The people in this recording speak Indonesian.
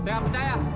saya enggak percaya